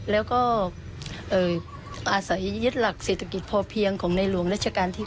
แล้วก็อาศัยยึดหลักเศรษฐกิจพอเพียงของในหลวงราชการที่๙